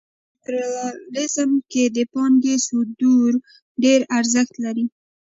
په امپریالیزم کې د پانګې صدور ډېر ارزښت لري